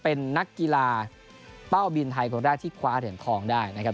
เป็นนักกีฬาเป้าบินไทยคนแรกที่คว้าเหรียญทองได้นะครับ